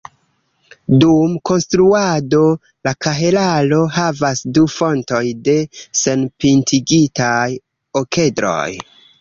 Dum konstruado, la kahelaro havas du fontoj de senpintigitaj okedroj.